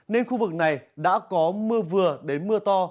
nên khu vực này đã có mưa vừa đến mưa to